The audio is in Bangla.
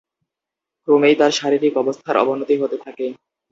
ক্রমেই তার শারীরিক অবস্থার অবনতি হতে থাকে।